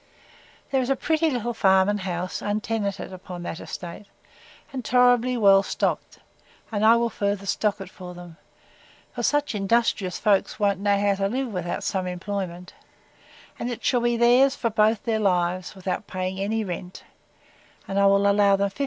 There is a pretty little farm, and house, untenanted, upon that estate, and tolerably well stocked, and I will further stock it for them; for such industrious folks won't know how to live without some employment; And it shall be theirs for both their lives, without paying any rent; and I will allow them 50l.